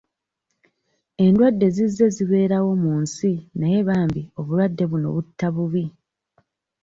Endwadde zizze zibeerawo mu nsi naye bambi obulwadde buno butta bubi.